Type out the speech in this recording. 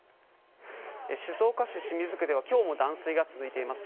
静岡市清水区では今日も断水が続いています。